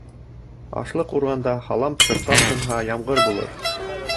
Ашлыҡ урғанда һалам шартлап һынһа, ямғыр булыр.